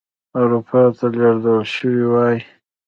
اروپا ته لېږدول شوي وای.